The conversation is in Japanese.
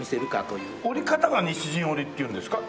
織り方が西陣織っていうんですか？